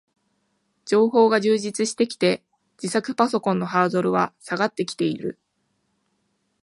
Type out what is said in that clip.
情報が充実してきて、自作パソコンのハードルは下がってきている